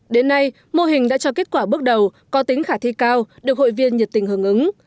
đến nay mô hình đã cho kết quả bước đầu có tính khả thi cao được hội viên nhiệt tình hưởng ứng